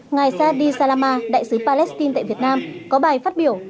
ngài sadi salama đại sứ palestine tại việt nam có bài phát biểu